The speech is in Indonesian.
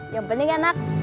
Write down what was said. yang penting enak